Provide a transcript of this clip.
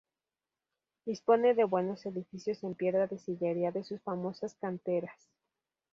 Dispone de buenos edificios en piedra de sillería de sus famosas canteras.